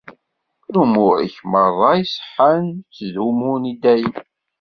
Lumuṛ-ik merra iṣeḥḥan ttdumun i dayem.